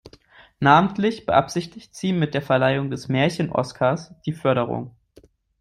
Namentlich beabsichtigt sie mit der Verleihung des "Märchen-Oskars" die Förderung